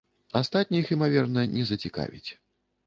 Астатніх, імаверна, не зацікавіць.